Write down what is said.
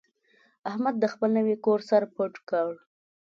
احمد د خپل نوي کور سر پټ کړ.